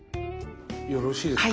よろしいですか？